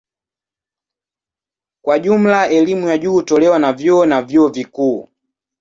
Kwa jumla elimu ya juu hutolewa na vyuo na vyuo vikuu.